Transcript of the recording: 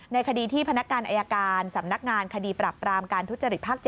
คดีที่พนักงานอายการสำนักงานคดีปรับปรามการทุจริตภาค๗